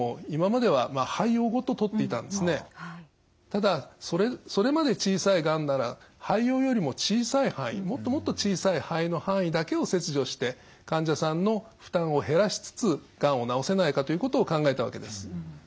ただそれまで小さいがんなら肺葉よりも小さい範囲もっともっと小さい肺の範囲だけを切除して患者さんの負担を減らしつつがんを治せないかということを考えたわけです。